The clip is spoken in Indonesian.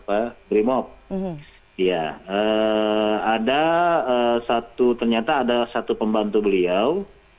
ada satu ternyata ada satu pembantu beliau